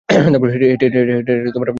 হেঁটে হেঁটে কাজে যাক।